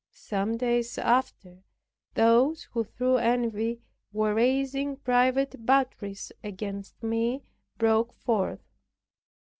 Some days after, those, who through envy were raising private batteries against me, broke forth.